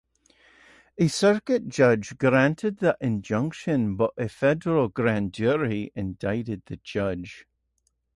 A circuit judge granted the injunction but a federal grand jury indicted the judge.